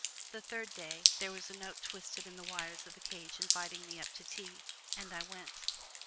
The third day, there was a note twisted in the wires of the cage inviting me up to tea. And I went.